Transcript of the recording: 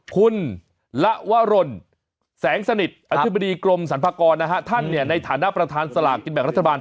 คุณละวรนแสงสนิทอธิบดีกรมสรรพากรนะฮะท่านในฐานะประธานสลากกินแบ่งรัฐบาล